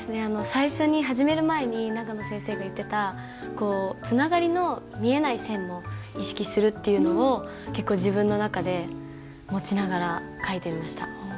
最初に始める前に長野先生が言ってたつながりの見えない線も意識するっていうのを自分の中で持ちながら書いてみました。